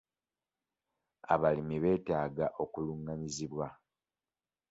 Abalimi beetaaga okulungamizibwa.